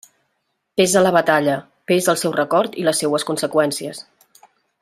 Pesa la Batalla, pesa el seu record i les seues conseqüències.